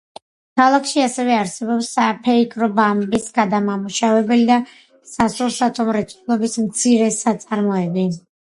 ქალაქში ასევე არსებობს საფეიქრო, ბამბის გადამამუშავებელი და სასურსათო მრეწველობის მცირე საწარმოები.